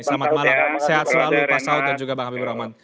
selamat malam sehat selalu pak saud dan juga bang habibur rahman